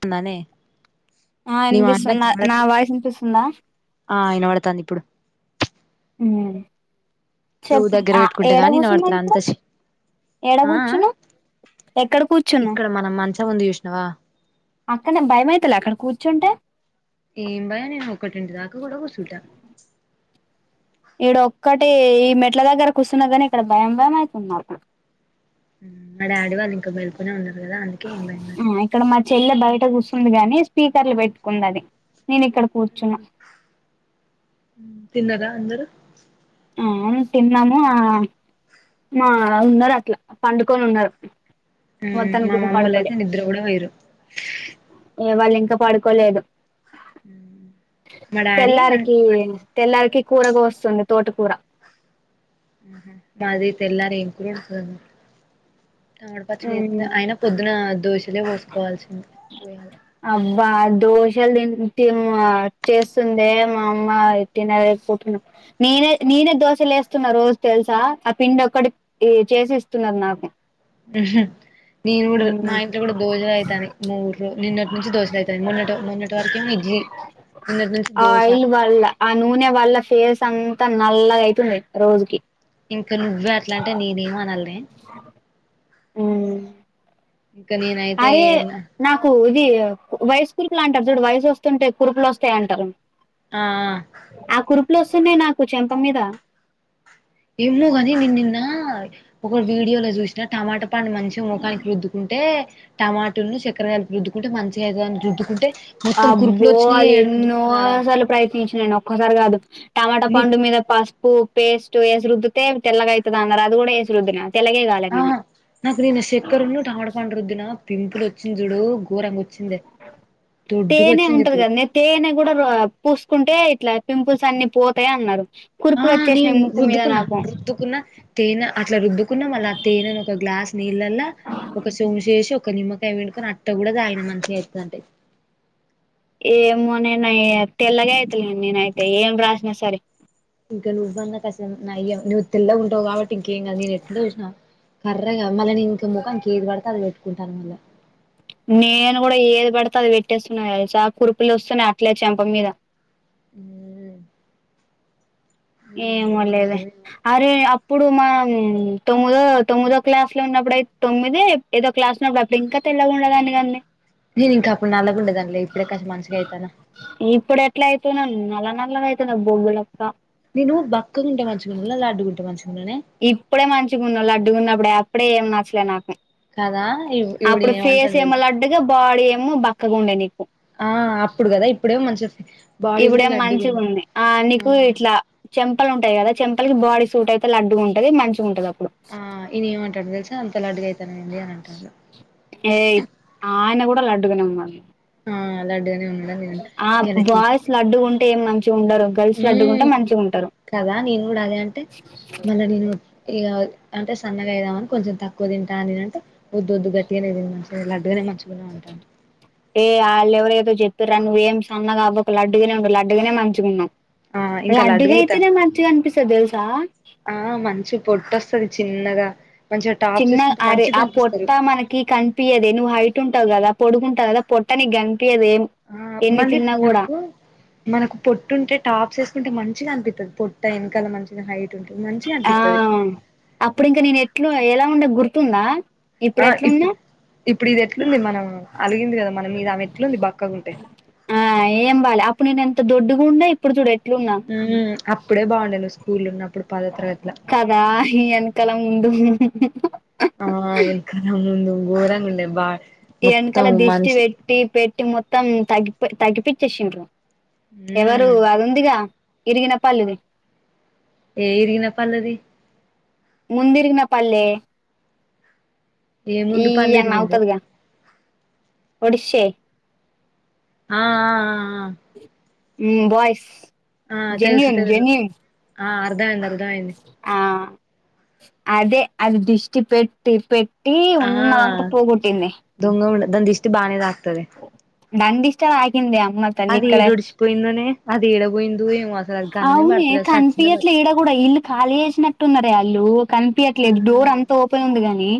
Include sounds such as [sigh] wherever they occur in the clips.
తుందానే ఆ వినిపిస్తుంద్ నా వాయిస్ వినిపిస్తుందా ఆ వినబడతాంది ఇప్పుడు మ్ చెవు చెప్పు దగ్గర ఆ పెట్టుకుంటే ఏడ గాని కూర్చున్నా వినబడతలే అంత ఇప్పుడు చే ఎడ ఆ ఆ కూర్చునావ్ ఎక్కడ కూర్చునావ్ ముంది చూసినావా అక్కడనే భయమైతలే అక్కడ కూర్చుంటే ఏం భయం నేను ఒకటింటి దాకా కూడా కూర్చుంటా ఈడ ఒక్కటి ఈ మెట్ల దగ్గరకు కూర్చొన్నా కాని ఇక్కడ భయం భయం అవుతుంది నాకు మా డాడీ వాళ్ళు ఇంకా మేలుకునే ఉన్నారు కదా అందుకే ఏం భయమైతలేదు పిల్లా బయట కూర్చొంది గాని స్పీకర్లు పెట్టుకుంది అది నేను ఇక్కడ కూర్చున్నా తిన్నరా అందరు ఆ తిన్నాము ఆ మా అందర్ అట్లా పండుకొని ఉన్నారు ఉమ్ మొత్తానికి మా ఇంకా మామోళ్ళు పడుకోలే అయితే నిద్ర కూడా పోయిరు వాళ్ళు ఇంకా పడుకోలేదు మా డాడీ అ తెల్లారికి పండు తెల్లారికి కూర కోస్తుండే తోట కూర మాది తెల్లారి [inaudible] టమాట పచ్చడి అయిన పొద్దున దోశలే పోసుకోవాల్సింది పోయాలి అబ్బా అ దోశలు తింటే చేస్తుందే మా అమ్మ [unintelligible] నేనే నేనే దోశలేస్తున్నా రోజు తెలుసా ఆ పిండి ఒక్కటి ఈ చేసి ఇస్తున్నారు నాకు ఉమ్ హా నేను కూడా మా మ్మ్. ఇంట్లో కూడా దోశలు అయితాది మూడు రో నిన్నటి నుంచి దోశలు అవుతాని మొన్న మొన్నటి వరకేమ ఇడ్లీ నిన్నటి నుంచి దోశ ఆయిల్ వల్ల ఆ నూనె వల్ల ఫేస్ అంతా అంత నల్లగా అయితుంది రోజుకి ఇంకా నువ్వే అట్లా అంటే నేనేం అనాన్లే అ [unintelligible] ఉమ్ ఇంకా నేనైతే అరే నాకు ఇది వయసు కురుపులు అంటారు చూడు వయసు వస్తుంటే కురుపులు వస్తాయి అంటారు ఆ ఇట్లు వస్తున్నాయి నాకు చెంప మీద ఏమో కాని నేన్ నిన్న ఒక వీడియోలో చూసినా టమాటా చెప్పండి మంచిగా ముఖానికి రుద్దుకుంటే టమాటలను చక్కెరగాయలులకు రుద్దుకుంటే మంచిగైతుంది రుద్దుకుంటే మొత్తం అబ్బో కురుపులు వచ్చినాయే అది ఏడ ఎన్నో రుద్దుకున్నాడా సార్లు ప్రయత్నించిన నేను ఒక్కసారి కాదు టమాటా నీ పండు మీద పస్ పూ పేస్ట్ ఏసి రుద్దితే తెలగ అయితది అన్నారు అది కూడా ఏసి రుద్దిన తెల్లగే కాలే ఆ నేను నాకు నేను శక్కరున్న టమడ పండు రుద్దున పింపులు వచ్చి చుడు గోరంగాచ్చ తేనే ఉంటది ఇప్పుడు కదనే తేనే కూడా ఆ పూసుకున్ టే ఇట్లా పింపుల్స్ అన్ని పోతాయ అన్నారు. కుర్పులోచ్ నేన్ రుద్దుకున్నా రుద్దుకున్నా తేనె అట్లా రుద్దుకున్నా మళ్ళ ఆ తేనెను ఒక గ్లాస్ నీళ్ళల ఒక సుసేసి చేసి ఒక నిమ్మకాయ పిండుకొని అట్ట కూడా తాగన మంచిగా అవుతదంటే. ఏమోనే నేనయితే తెల్లగ అవుతులే నేనైతే ఏం రాసిన సరే. ఇంకా నువ్వన్నా కసన్ నయ్యం నువ్వు తెల్ల ఉంటవు కాబట్టి ఇంకేం కాదు, నేను ఎట్ చూసిన కర్రగా మళ్ళీ నేన్ ఇంక ముఖం ఇంకేది పడితే అది పెట్టుకుంటాను మళ్ళా. నేను కూడా ఏది పడితే అది పెట్టేస్తున్నా తెలుసా కురుపులు వస్తున్నా అట్లే చెంప మీద. ఉఒ ఏమో లేదే అరే అప్ ఇప్పుడు మన్ తొమ్మిదో తొమ్మిదో క్లాస్ లో ఉన్నప్పుడయితే తొమ్మిది ఏదో క్లాస్ ఉన్నప్పుడు అప్పుడు ఇంక తెల్ ఇలా ఉండిదాని కాన్నే నేను ఇంకా అప్పుడు నల్లాగ ఉండేదన్నిలే ఇప్పుడే కస మంచిగా అయితన్న. ఇప్పుడు ఎట్లా అవుతున్నా నల్ల నల్లగా అయితున్నా బొగ్గులక్క. నేను బక్కకుంటే మంచిగున్నానా లాడ్డుగుంటే మంచిగున్నానే. ఇప్పుడే మంచిగా ఉన్న లాడ్డుగున్నప్పుడే అప్పుడే ఏం నచ్చలే నాకు. కదా ఇ ఇవిడు అప్పుడు ఫేస్ ఏమంటాడు ఏమో తెలుసా లడ్డుగా బాడీ ఏమో బక్కగా ఉండే నీకు. ఆ అప్పుడు కదా ఇప్పుడేమో మంచిగా బాడీ కూడా ఇప్పుడేమ్ మంచిగా లడ్డుగుంది ఉంది ఆ నీకు ఇట్లా చెంపలు ఉంటాయి కదా. చెంపలు బాడీ సూట్ అయితే లాడ్డుగా ఉంటుది మంచిగా ఉంటుంది అప్పుడు. ఆ ఈయన ఏమంటాడు తెలిస అంత లడ్డుగా అయితాన్నావేంది అని అంటాడు. యే ఆయన కూడా లడ్డుగానే ఉన్నడులే అలా లడ్డుగానే ఉన్నాడా నేను ఆ ఈయనకి బాయ్స్ లడ్డుకుంటే ఏం మంచిగా ఉండరు గర్ల్స్ లడ్డుకుంటే మ్మ్ మంచిగ ఉంటారు. కదా నేను కూడా అదే అంటే మళ్ళ నేను ఇగా అంటే సన్నగాయిదామని కొంచం తక్కువ తంటా నేన్ అంటే వద్దు వద్దు గట్టిగానే తిను మంచిగా లడ్డుగా తిను. మంచిగానే ఉంటా వాళ్ ఎవరో ఏదో చెప్పతరాని నువ్వు ఏం సన్నగా అవ్వకు లడ్డుగానే ఉండు లడ్డుగనే మంచిగాన్నావ్. ఆ ఇంకా లడ్డుగా అయితా లడ్డుగయితేనే మంచిగా అనిపిస్తది తెలుసా. చీ పొట్ట వస్త్ చిన్న వేసుకుంటే అరే మంచిగా ఆ పొట్ట కనిపిస్తారు మనకి కనిపయదే నువ్వు హైట్ ఉంటావు కదా. పొడుగుంటా కదా పొట్టనికి గంగ్ ఆ మళ్ళీ మనకు మనకు పొట్టుంటే టాప్స్ వేసుకుంటే మంచిగా అనిపిత్తది పొట్ట వెనకాల మంచ్ ఆ అప్పుడు ఇంకా నేను ఎట్లు ఎలా ఉండే గుర్తుందా. ఇప్పుడు ఎట్లున్నా ఇప్పుడు ఇది ఎట్లుంది మనం అలిగింది కదా మన మీదా ఆమె ఎట్లుంది బక్కగా ఉంటే. త్ దుడ్డు గుండయ్ ఇప్పుడు చూడు ఎట్లున్నా మ్మ్ అప్పుడే బాగుండే నువ్వు స్కూల్లో ఉన్నప్పుడు పదో తరగతిల కదా వెనుకల్ ఆ [unintelligible] వెనకాల ముందు ఘోరంగా ఉండే బా మొత్తం వెనకాల దిష్టి మనిషి పెట్టి పెట్ ట్టి మొత్తం తగ్గిపో తగ్గిపించేసిండ్రు ఎవరు మ్మ్ అది ఉందిగా. ఇరికిిన పళ్ళుది యే ఇరిగిన పళ్ళుదిస్ ముందుఇరిగిన పళ్లే ఏ ఈ ముందు పళ్ళు అన్ ఇరిగిందే నవ్వుతదిగా ఒడిసే ఆ ఆ ఆ ఆ ఉమ్ బాయ్స్ ఆ తెలుసు జెన్యూన్ తెలుసు జెన్యూన్ ఆ అర్థమైంది అర్థమైంది ఆ అదే అది దృష్టి పెట్టి పెట్ టట్టి ఉన్నా అంత పోగొట్టింది. దాన్ని దిష్టి తాకుతది దాని దిస్టే ఆకింద అమ్మ తల్లి అది ఇక్కడే ఏడుడిచిపోయిందోనే అది ఏడపోయిందో ఏమో అసలు అది గన్నే పడతలేదు సచ్చిందో బతికి ఇల్లు ఖాళీ చేసినట్టు ఉన్నారే వాళ్ళు ఆ కనిపియట్లేదు డోర్ అంత ఓపెన్ ఉంది గాని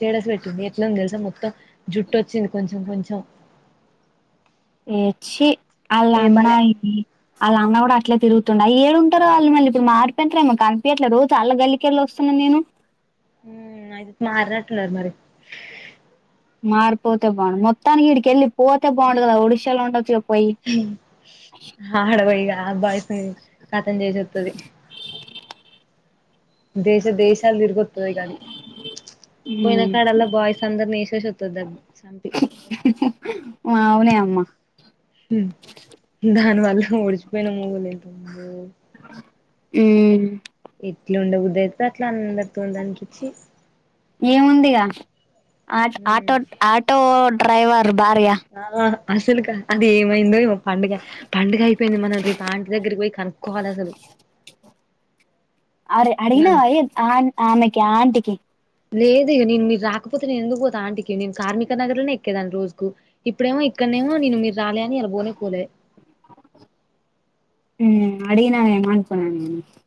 జడ అసలు ఎట్లుంది ఎట్లుంది తెలుసా మొత్తం జుట్టుచ్చింది కొంచెం కొంచెం ఏ చీ అలా ఏమలే అన్నాయికి అలా అన్న కూడా అట్లా తిరుగుతుండాయి ఏడుంటారో వాళ్ళ మళ్లీ ఇప్పుడు మారిపోయుంటారు ఏమో కనిపియట్లేదు చాలా గల్లికెళ వస్తు అనే నేను హ్మ్ అయితే మారినట్టున్నారు మరి మారిపోతే బాను మొత్తనికి ఇడికెళ్ళి పోతే బాగుండు కదా ఒడిశాలో ఉండొచ్చుగ హ్మ్ ఆడపోయ అబ్బాయితో కతం చేసేస్తది దేశ దేశలు తిరుగత్తది ఇగ అది పోయిన కాడలా బాయ్స్ అందరుని ఏసేసిస్తది దగ్ చంపి అవునే అమ్మా హ్మ్ దానివల్ల ఓడిపోయిన మొగోళ్ళు ఎంతమందో హ్మ్ ఎట్లు ఉండబుద్ధి అయితే అట్ల అందరు ఏముంది ఇగ ఆ ఆటో ఆటో డ్రైవర్ భార్య ఆ అసలు ఇక ఏమైందో ఏమో పండుగ పండుగ అయిపోయింది మనం రేపు ఆంటి దగ్గరికి పోయి కనుక్కోవాలి అసలు అరే వాళ్ళు అడిగినావే ఏ ఆ ఆమెకి ఆంటికి లేదు నేను మీరు రాకపోతే నేను ఎందుకు పోతా ఆంటికి నేను కార్మిక నగర్ లోనే ఎక్కేదాని రోజుకు ఇప్పుడేమో ఇక్కడనేమో నేను మీరు రాలే అని అలా బోనే పోలే ఉమ్ అడినా [unintelligible]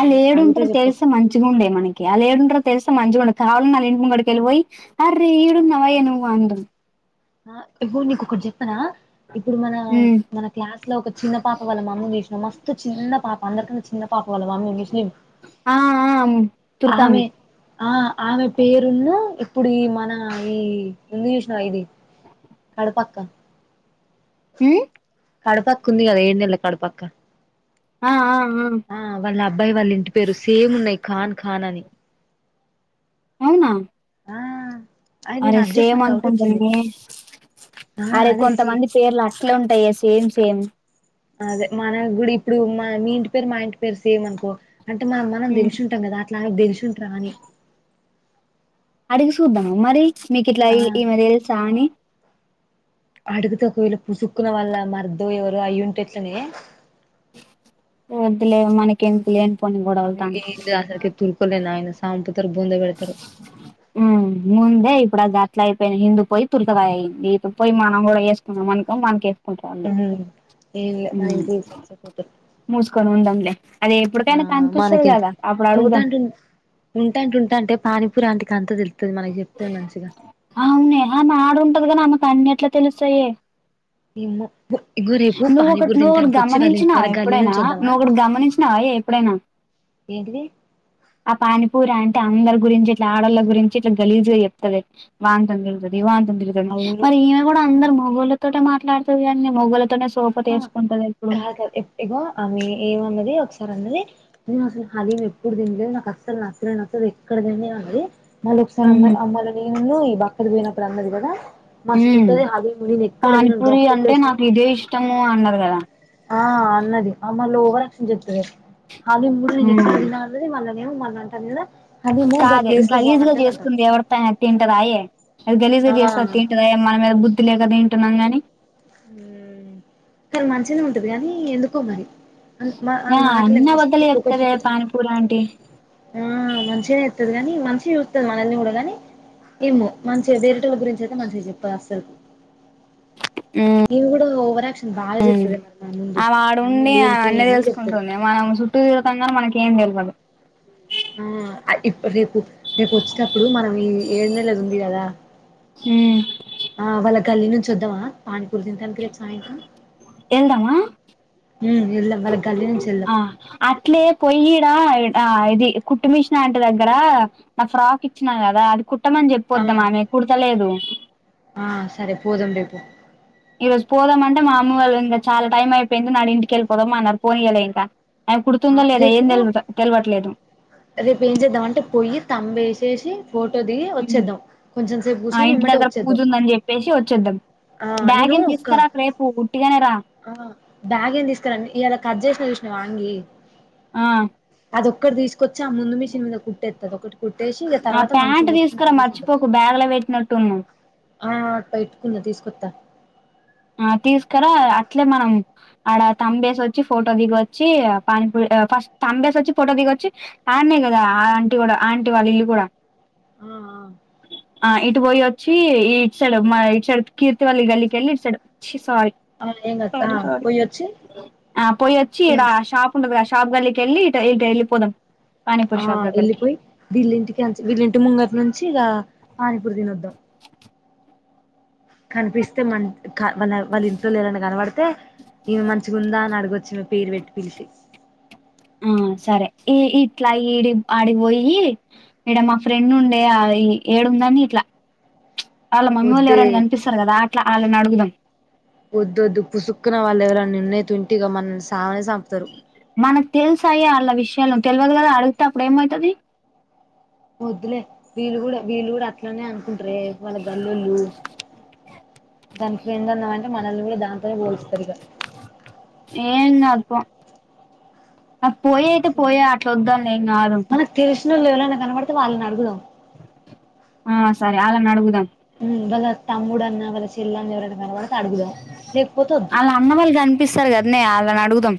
అళ్ అడిగితే ఏడుంటారు చెప్పకు తెలుసా మంచిగా ఉండే మనకి అ ఏడుంటో తెలిసే మంచిగా ఉ కావాల నల ఇంటి ముగడికి వెళ్లిపోయి అర్రే ఇడున్నావే నువ్వు అందు అ ఇప్పుడు నీకు ఒకటి చెప్పనా ఇప్పుడు మన హ్మ్. మన క్లాస్ లో ఒక చిన్న పాప వాళ్ళ మమ్మని చూసినం మస్తు చిన్న పాప అందరికన్నా చిన్న పాప వాళ్ల మమ్మీ ముస్లిం ఆహ ఆమె ఆ ఆమె పేరున్న ఇప్పుడు ఈ మన ఈ ముందు చూసిన ఇది కడప అక్క హ్మ్ కడపక్క ఉంది కదా ఏడు నెల కడుపక్క ఆ ఆ ఆ వాళ్ళ అబ్బాయి వాళ్ళు ఇంటి పేరు సేమ్ ఉన్నాయి ఖాన్ ఖాన్ అని అవునా ఆ అది నేను అరే అది చూసి సేమ్ నాకు డౌట్ వచ్చింది అనుకుంటానే ఆ అరే అదే సే కొంతమంది పేర్లు అ అట్లే ఉంటాయ సేమ్ సేమ్ అదే మన కూడా ఇప్పుడు మా మీ ఇంటి పేరు మా ఇంటి పేరు సేమ్ అనుకో అంటే మనం మనం హ్మ్. దేలుసుంటాం కదా అట్లా దేలిసి ఉంటారా అని అడిగి సూద్దాం మరి మీకు ఇట్లా ఆ ఈ ఈమె తెలుసా అని అడుగుత ఒకవేళ పుసుక్కున వాళ్ల మరిదో ఎవరో అయ్యి ఉంటే ఎట్లనే వద్దులే మనకి ఎందుకు లేనిపోని వామ్మో గొడవలుతంట ఏంది అసలుకే తూరుకోలేను నాయన సంపుతరు బూంద పెడతరు హ్మ్మ్ ముందే ఇప్పుడు అది అట్లా అయిపోయిన హిందు పోయి తొందర అయింది పోయి మనం కూడా ఎసుకున్నాం అనుకో మనకు హ్మ్ ఏంలే మన ఇచ్చాపోతమ్ మూసుకొని ఉందాంలే అది ఎప్పటికైనా కనిపిస్తుంది మనకెంత కదా అప్పుడు అడుగుదాం ఉంటాంటు ఉంటాంట ఉంటే అంటే పానీపూరీ ఆంటికి అంత తెలుతుంది మనకి చెప్తే మంచిగా అవునుఏ ఆమె ఆడుంటది కాని ఆమెకు అన్నేట్ల తెలుస్తాయే ఏమో పు ఇగ్గో రేపు నువ్వు ఒకటి పానీపూరి నువ్వు ఒకటి తింటానికి వచ్చి వాళ్ళ ఇంటి గమనించినావా మీద గల్లీ ఎప్పుడైనా నుంచి వద్దామా నువ్వు ఒకటి గమనించినావాయే ఎప్పుడైనా ఏంటిది ఆ పానీపూరీ ఆంటీ అందరి గురించి ఇట్లా ఆడళ్ళ గురించి ఇట్లా గలీజుగా చెప్తుంది వాంత [unintelligible] నివాంతి ఉంటుంది అవును మరి ఈమె కూడా అందరు అవును మొగాళ్ళతోటే మాట్లాడుతది కానీ మోగోళ్ళ ఆ కాదు ఎట్టిగా ఆమె ఏమన్నది ఒకస తరన్నది నేను అసలు హాలీమ్ ఎప్పుడు తినలే నాకు అస్సలు నచ్చనేనచ్చదు ఎక్కడ తినలేదన్నది. మళ్ళీ ఒకసారి ఉమ్ అమ్మాయి అమ్మళ దేముందో ఈ బక్కది పోయినప్పుడు అన్నది కదా మస్తు ఉమ్ ఉంటది హలీము నేనేక్కడ నేను డాకుప్లేషన్ చమ్ము అన్నారు కదా ఆ అన్నది ఆమ్ మల్ల ఓవర్ యాక్షన్ చెప్తాది హాలీముడు నేను ఇప్పుడే ఉమ్ తిన్న అంటది మళ్ళ మేము మొన్న అంటది గద కాదే గలీజ్ గా చేసుకుంది ఎవరితోఐనా తింటదా ఏ అది గలీజగా ఆ చేస్తే అది తింటద మన మీద బుద్ధి లేకదా తింటున్నాం కాని చాల మంచినే ఉంటది కాగానీ ఎందుకో మరి మా ఆ మాటలే అన్ని మస్తూ అబద్ధాలే పొగరు చెప్తదే చూపిద్దాం పానీపూరి ఆంటీ ఆ మంచిగానే ఇత్తది కాని మంచిగా చూస్తుంది మనల్ని కూడా కాని ఏమో మంచిగా వేరిటల గురించి అయితే మంచిగా చెప్పదిఅసలు బాగా ఉమ్మ్ చెత్తది మరి మన ముందు ఆమె అన్ని ఆడుండి లేనిపోని అన్నీ అన్ని చెప్తది తెలుసుకుంటుంది మనం చుట్టూ తిరగటం కాని మనకి ఏం తెలివదు. ఆ ఇప్పుడ్ రేపు రేపు వచ్చేటప్పుడు మనం ఈ ఏడు నెలది ఉంది కదా ఉమ్మ్ ఆ వాళ్ళ గల్లీ నుంచి వద్దమై పానీ పూరి తిన్ తనకి సాయంత్రం ఎల్దామా ఉమ్మ్ వెళ్దాం వాళ్ళకి ఆ అట్లే పొయ్యిరా ఇ ఆ ఇది కుట్టు మిషన్ ఆంటీ దగ్గర నా ఫ్రాక్ ఇచ్చినా కదా అది కుట్ కుట్టమని ఆ చెప్పొద్దాం అని కుడతలేదు. వ ఈ రోజు పోదాం అంటే మా అమ్మ వాళ్ళు ఇంకా చాలా టైం అయిపోయింది మన ఇంటికెళ్ళిపోదాం అన్నారు పోనినీయల ఇంక ఆ రేపూ తెలవట్లేదు రేపు ఏం చేద్దాం అంటే పొయ్యి తంబ్ ఏసేసి ఫోటో దిగి వచ్చేద్దాం, కొంచెం సేపు ఆ కూర్చొని ఇంటి ఎమ్మటే దగ్గర పూజ వచ్చేద్దాం. ఉందని చెప్పేసి వచ్చేద్దాం ఆ నేను బ్యాగేం ఒక తీసుకురాకు రేపు ఉట్టిగానే రా బ్యాగ్ ఏం తీసుకురండి ఇయాల కట్ చేసిన [unintelligible] ఆ అది ఒక్కటి తీసుకొచ్చి ఆ ముందు మిషన్ మీద కుట్టేస్తది ఒకటి కుట్టేసి ఇంక ఆ తర్వాత మంచి ప్యాంట్ మొత్తం తీసుకురా తిరిగేసి వద్దాం మర్చిపోకు బ్యాగ్ లో పెట్టినట్టున్నావ్ ఆ అట్ట ఎత్తుకున్న తీసుకొత్త ఆ తీసుకురా అట్లే మనం ఆడ తంబేసి వచ్చి ఫోటో దిగొచ్చి పానీపూరీ ఫస్ట్ తంబేసి వచ్చి పోటో దిగొచ్చి ఆడనే కదా ఆంటీ కూడా ఆంటీ వాళ్ళ ఇల్లు కూడా. ఆ ఆ ఇట్ ఇటు పోయి వచ్చి ఈ ఇటు సైడు మా ఇటు సైడ్ కీర్తివాల్ల గల్లికి వెళ్ళి ఇటు సైడ్ ఆ ఆ ఏం కాదు ఆ పోయొచ్చి [unintelligible] ఆ పోయి వచ్చి ఇగ ఈడ షాప్ ఉండదు ఆ గల్లికి వెళ్లి ఇటు ఇటు వెళ్లిపోదాం. ఆ వెళ్ళిపోయి వీళ్ళుంటికే వీల్ళింటి ముందర నుంచి ఇక పానీపూరీ తినొద్దాం కనిపిస్తే మం [unintelligible] మళ్ళ వాళ్ళ ఇంట్లోవలేవరన కనబడితే ఈమె మంచిగా ఉందా అని అడగొచ్చు. పేరు పెట్టి పిలిచి ఆ సరే ఈ ఇట్లా ఈడి ఆడిపోయి ఇడ మా ఫ్రెండ్ ఉండే ఆ ఏడు ఉందని ఇట్లా వాళ్ళ మమ్మీ వాళ్ళు వద్దే ఎవరనా కనిపిస్తారు కదా అట్ల ఆళ్ళనీ అడుగుదాం వద్దోద్దు పుసుక్కున్న వాళ్ళు ఎవరనా నిన్న తంటిగా మనల్ని సామనే చంపుతారు మనకు తెలుసయే వాళ్ళ విషయలు తెల్వదు కదా అడిగితే అప్పుడు ఏమయితది వొద్దులే వీలు కూడా వీలు కూడా అట్లనే అ కుంటరే వాళ్ళు గల్లోల్లు దానికి ఫ్రెండు అన్నమంటే మనల్ని కూడా దాంతోనే పోల్స్తారు ఇగ ఎందా పో పోయి అయితే పోయా అట్లా వద్దాం ఏం కాదు [unintelligible] ఎవరన్న కనపడితే వాళ్ళని అడుగుదాం ఆ సరే అలాని అడుగుదాం తమ్ముడు అన్నవు కదా చెల్లన్ అని ఎవరన్ ఆళ్ళ అన్న వాళ్ళు కనిపిస్తారు కదనే అలాని అడుగుదాం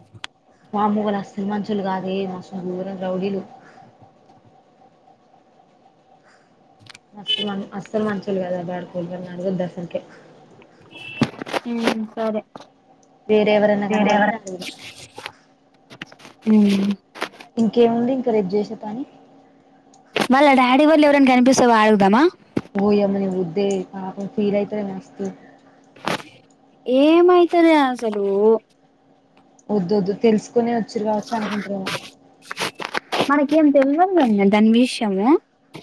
మామూ వాళ్ళ అస్తలు మంచొల్లు కాదే మస్తు గోరమ్ రౌడీలు అస్సలు మన్ అస్సలు మంచొల్లు కదు బాడకోన్నాడుగు వద్దా సంఖ్య హ్మ్ సరే వేరేవరన్న కనబడితే అడుగుదాం హ్మ్ ఇంకేముంది ఇంక రేపు చేసే పని వాళ్ళ డాడీ వాళ్ళు ఎవరైనా కనిపిస్తరు ఆడుగుదామా వోయమ్మో [unintelligible] వద్దే పాపం ఫీల్ అయితదే మస్తు ఏమైతదే అసలు వద్దు వద్దు తెలుసుకునే వచ్చిర్రు కావచ్చు అనుకుంటురేమో మనకేం తెల్వదు [unintelligible] దాని విషయము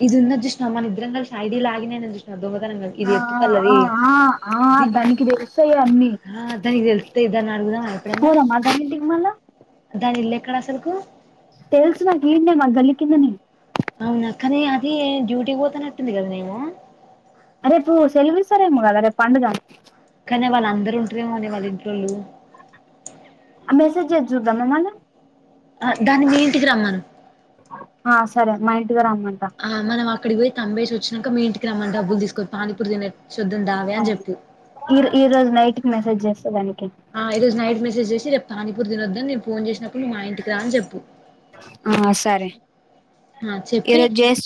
ఇదున్నది చూసినావా మన ఇద్దరం కలిసి ఐ డి లాగిన్ [unintelligible] ఆ దొంగతనంగా ఇది ఆ ఎత్తు పల్లది ఆ ఆ ఆ దానికి తెలుస్తాయి అన్ని ఆ దానికి తెలుత్తది దాన్ని అడుగుదామా ఎప్పుడన్నా పోదామా దాని ఇంటికి మళ్ళా దాని ఇల్లు ఎక్కడ అసలుకు తెలుసు నాకి ఈన్నె మా గల్లి కిందనే అవునా కాని అది డ్యూటీ కి పోతనట్టుంది కదా మేము రేపు సెల్వ ఇస్తారేమో కదా రేపు పండుగ కానీ వాళ్ళందరు ఉంటారేమో అని వాళ్ళో ఇంట్లోలు మెసేజ్ చేసి చూద్దాం ఏమన్నా ఆ దాన్ని మీ ఇంటికి రమ్మను ఆ సరే మా ఇంట్ ఆ మనం అక్కడికి పోయి తంబేసి వచ్చినంక మీ ఇంటికి రమ్మని డబ్బులు తీసుకోని పానీపూర్ తినే అవును ఈ ఈ రోజు నైట్ కి మెసేజ్ చేస్తా దానికి ఆ ఈ రోజు నైట్ మెసేజ్ చేసి చెప్తా పానీపూరి తినొద్దం నేను ఫోన్ చేసినప్పుడు నువ్ మా ఇంటికి రా అని చెప్పు ఆ సరే ఆ చెప్పి ఇరోజు జెస్